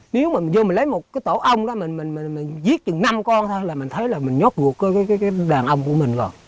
mình lấy một cái tổ ong đó mình giết chừng năm con thôi là mình thấy là mình nhốt gục cái đàn ong của mình rồi